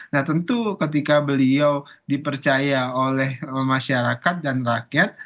nah tentu ketika beliau dipercaya oleh masyarakat dan rakyat